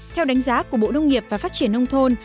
theo đánh giá của bộ nông nghiệp và phát triển nông thôn